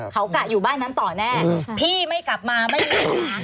เขากะอยู่บ้านนั้นต่อแน่พี่ไม่กลับมาไม่รีบหา